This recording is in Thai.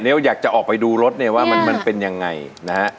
เดี๋ยวอยากจะออกไปดูรถเนี่ยว่ามันเป็นยังไงนะฮะ